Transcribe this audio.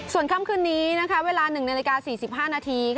ส่วนค่ำคืนนี้เวลา๑นาฬิกา๔๕นาที